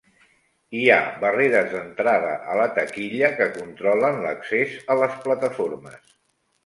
Hi ha barreres d'entrada a la taquilla que controlen l'accés a les plataformes.